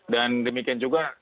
dan demikian juga